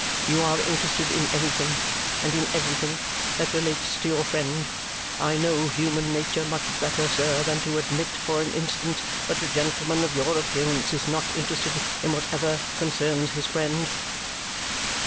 You are interested in anything, and in everything, that relates to your friend. I know human nature much better, sir, than to admit for an instant that a gentleman of your appearance is not interested in whatever concerns his friend."